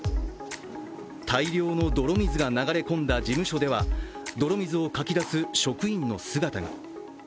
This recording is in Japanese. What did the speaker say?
大量の泥水が流れ込んだ事務所では泥水をかき出す職員の姿が。